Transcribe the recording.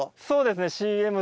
そうですね。